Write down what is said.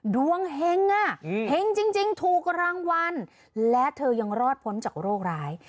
เห็งอ่ะเห็งจริงถูกรางวัลและเธอยังรอดพ้นจากโรคร้าย